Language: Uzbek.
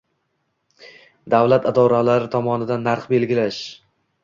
Davlat idoralari tomonidan narx belgilash